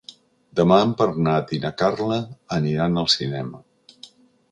Demà en Bernat i na Carla aniran al cinema.